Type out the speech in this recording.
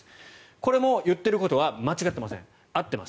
これも言っていることは間違っていません合っています。